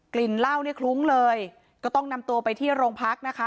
ลิ่นเหล้าเนี่ยคลุ้งเลยก็ต้องนำตัวไปที่โรงพักนะคะ